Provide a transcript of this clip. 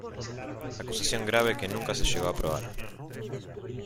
Acusación grave que nunca se llegó a probar.